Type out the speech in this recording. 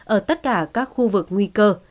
ở tất cả các khu vực nguy cơ